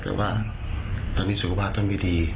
แต่ว่าตอนนี้สุขภาพท่านไม่ดี